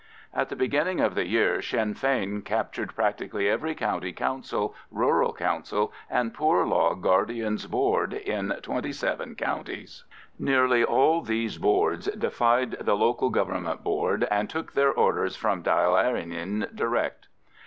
At the beginning of the year Sinn Fein captured practically every County Council, Rural Council, and Poor Law Guardian's Board in twenty seven counties; nearly all these Boards defied the Local Government Board, and took their orders from Dail Eireann direct.